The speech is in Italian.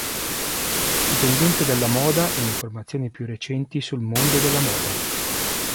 Le tendenze della moda, le informazioni più recenti sul mondo della moda.